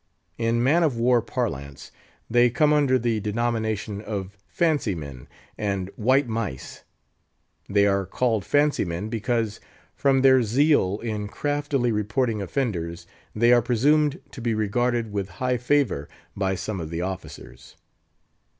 In man of war parlance, they come under the denomination of fancy men and white mice, They are called fancy men because, from their zeal in craftily reporting offenders, they are presumed to be regarded with high favour by some of the officers.